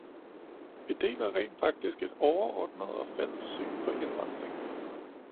Vi deler rent faktisk et overordnet og fælles syn på indvandring.